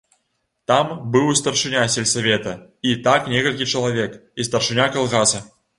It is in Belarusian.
Там быў і старшыня сельсавета, і так некалькі чалавек, і старшыня калгаса.